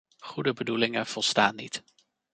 Goede bedoelingen volstaan niet.